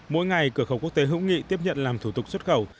mỗi ngày cửa khẩu quốc tế hữu nghị tiếp nhận làm thủ tục xuất khẩu